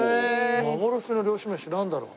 幻の漁師めしなんだろう？